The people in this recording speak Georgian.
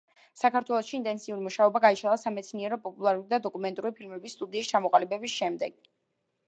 საქართველოში ინტენსიური მუშაობა გაიშალა სამეცნიერო-პოპულარული და დოკუმენტური ფილმების სტუდიის ჩამოყალიბების შემდეგ.